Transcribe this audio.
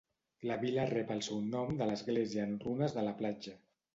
La vila rep el seu nom de l'església en runes de la platja.